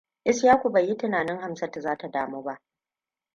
Ishaku bai yi tunanin Hamsatu zai damu ba.